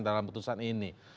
dalam putusan ini